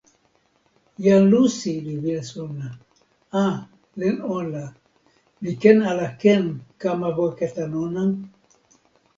"jan Lusi li wile sona: "a, len ona li ken ala ken kama weka tan ona?"